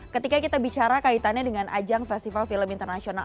ketika kita bicara kaitannya dengan ajang festival film internasional